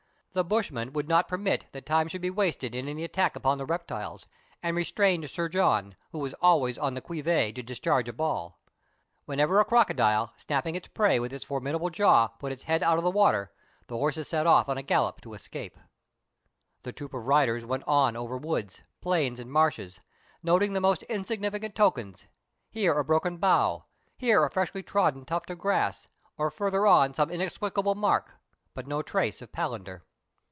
The bushman would not permit that time should be wasted in any attack upon the reptiles, and restrained Sir John, who was always on the qui vive to discharge a ball. Whenever a crocodile, snap ping its prey with its formidable jaw, put its head out of water, the horses set off at a gallop to escape. The troop of riders went on over woods, plains, and marshes, noting the most insignificant tokens : here a broken bough ; there a freshly trodden tuft of grass ; or farther on some inexplicable mark ; but no trace of Palander.